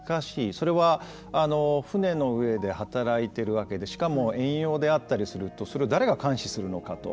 それは船の上で働いているわけでしかも遠洋であったりするとそれを誰が監視するのかと。